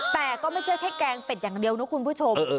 แต่ก็ไม่ใช่แค่แกงเป็ดอย่างเดียวนะคุณผู้ชม